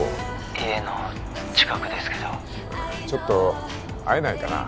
☎家の近くですけどちょっと会えないかな？